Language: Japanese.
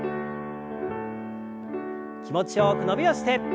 気持ちよく伸びをして。